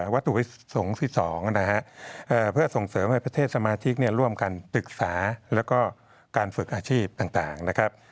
วัตถุประสงค์ที่๒นะฮะเพื่อส่งเสริมให้ประเทศสมาชิกร่วมกันศึกษาแล้วก็การฝึกอาชีพต่างนะครับ